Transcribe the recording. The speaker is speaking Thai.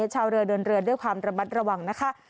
ชาวเรือเดินเรือด้วยความระมัดระวังนะคะ